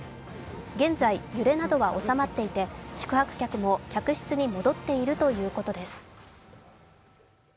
現在、揺れなどは収まっていて、宿泊客も客室に戻っているということです。